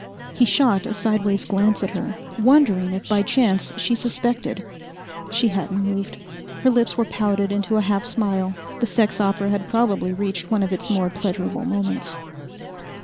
He shot a sideways glance at her, wondering if by chance she suspected.... She hadn't moved. Her lips were pouted into a half smile; the sex opera had probably reached one of its more pleasurable moments.